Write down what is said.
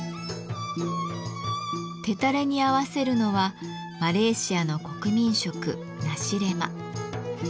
テタレに合わせるのはマレーシアの国民食「ナシレマ」。